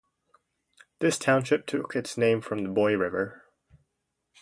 This township took its name from the Boy River.